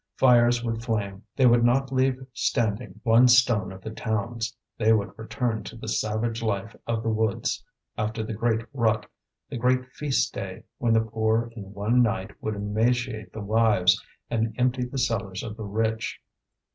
Fires would flame; they would not leave standing one stone of the towns; they would return to the savage life of the woods, after the great rut, the great feast day, when the poor in one night would emaciate the wives and empty the cellars of the rich.